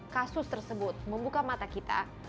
kasus tersebut membuka mata kita